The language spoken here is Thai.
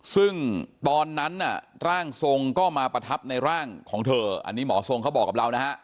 ซึ่งตอนนั้นน่ะร่างทรงก็มาประทับในร่างของเธออันนี้หมอทรงเขาบอกกับเรานะฮะ